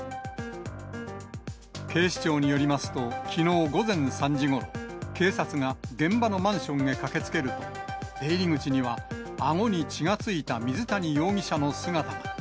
警視庁によりますと、きのう午前３時ごろ、警察が現場のマンションへ駆けつけると、出入り口には、あごに血が付いた水谷容疑者の姿が。